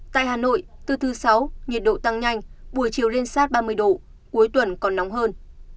tại hà nội từ thứ sáu nhiệt độ tăng nhanh buổi chiều lên sát ba mươi độ cuối tuần còn nóng hơn